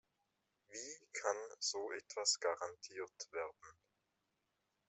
Wie kann so etwas garantiert werden?